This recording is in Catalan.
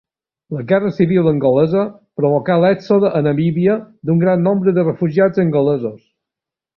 La guerra civil angolesa provocà l'èxode a Namíbia d'un gran nombre de refugiats angolesos.